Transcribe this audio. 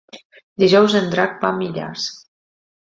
Dijous en Drac va a Millars.